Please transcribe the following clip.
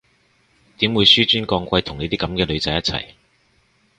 點會紓尊降貴同你啲噉嘅女仔一齊？